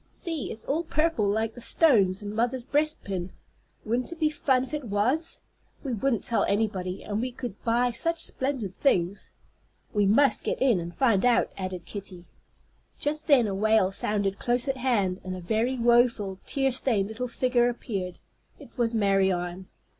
See, it's all purple, like the stones in mother's breastpin. Wouldn't it be fun if it was? We wouldn't tell anybody, and we could buy such splendid things." "We must get in and find out," added Kitty. Just then a wail sounded close at hand, and a very woful, tear stained little figure appeared. It was Marianne.